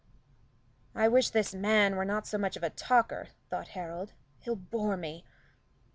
"I wish this man were not so much of a talker," thought Harold, "he'll bore me.